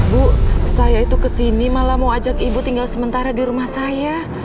buuuh saya itu kesini malah mau ajak ibu tinggal sementara dirumah saya